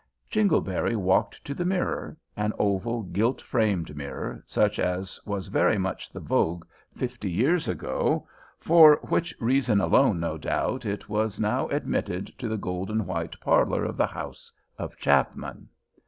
Jingleberry walked to the mirror an oval, gilt framed mirror, such as was very much the vogue fifty years ago, for which reason alone, no doubt, it was now admitted to the gold and white parlor of the house of Chapman.